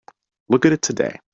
Look at it today.